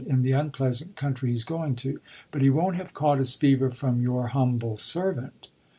in the unpleasant country he's going to. But he won't have caught his fever from your humble servant."